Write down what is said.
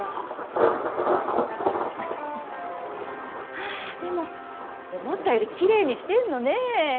はあでも思ったよりきれいにしてるのねえ。